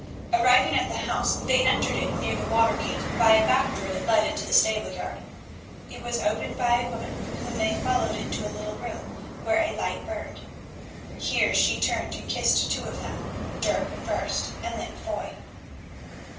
Arriving at the house, they entered it near the Watergate by a back door that led into the stableyard. It was opened by a woman whom they followed into a little room where a light burned. Here she turned and kissed two of them, Dirk first and then Foy.